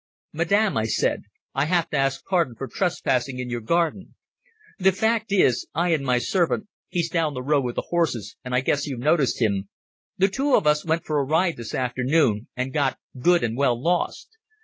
"Madam," I said, "I have to ask pardon for trespassing in your garden. The fact is, I and my servant—he's down the road with the horses and I guess you noticed him—the two of us went for a ride this afternoon, and got good and well lost.